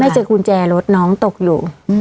เจอกุญแจรถน้องตกอยู่